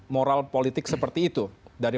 moral politik seperti itu dari